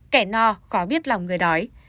kẻ no khó biết lòng người đói